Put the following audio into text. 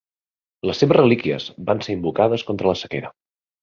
Les seves relíquies van ser invocades contra la sequera.